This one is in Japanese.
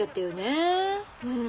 うん。